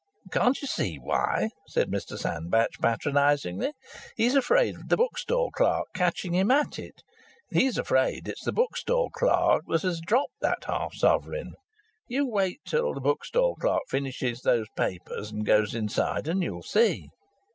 "Can't you see why?" said Mr Sandbach, patronizingly. "He's afraid of the bookstall clerk catching him at it. He's afraid it's the bookstall clerk that has dropped that half sovereign. You wait till the bookstall clerk finishes those papers and goes inside, and you'll see."